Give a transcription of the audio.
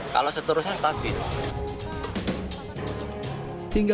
kalau seterusnya stabil